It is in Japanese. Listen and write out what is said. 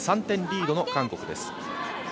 ３点リードの韓国です。